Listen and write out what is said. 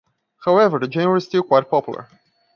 However, the genre is still quite popular.